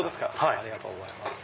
ありがとうございます。